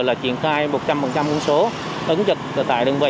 là triển khai một trăm linh quân số ứng dịch tại đường bảy